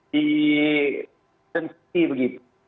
di jensiti begitu